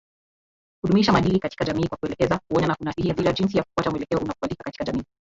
Kudumisha maadili katika jamii kwa kuelekeza, kuonya na kunasihi hadhira jinsi ya kufuata mwelekeo unaokubalika katika jamii.